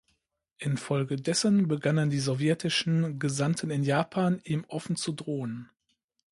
Infolgedessen begannen die sowjetischen Gesandten in Japan, ihm offen zu drohen.